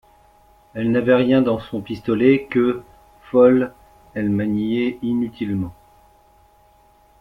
Elle n'avait rien dans son pistolet que, folle, elle maniait inutilement.